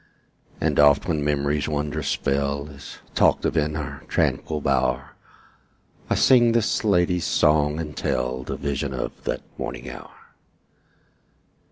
And oft when memory's wondrous spell Is talked of in our tranquil bower, I sing this lady's song, and tell The vision of that morning hour.